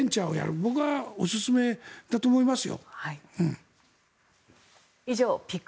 僕はおすすめだと思いますよ。